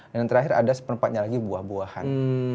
dan yang terakhir ada seperempatnya lagi buah buahan